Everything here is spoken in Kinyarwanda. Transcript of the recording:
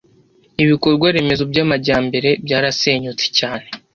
ibikorwa remezo by'amajyambere byarasenyutse cyane